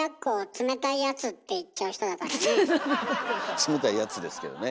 「冷たい奴」ですけどね。